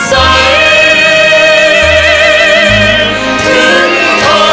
ไม่เร่รวนภาวะผวังคิดกังคัน